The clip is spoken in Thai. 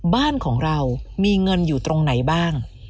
บ้านของเรามีเงินอยู่ตรงไหนบ้าง